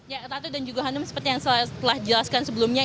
ya ratu dan juga hanum seperti yang saya telah jelaskan sebelumnya